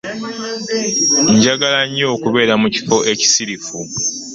Njagala nnyo okubera mu kifo ekisirifu.